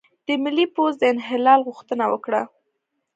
د ملي پوځ د انحلال غوښتنه وکړه،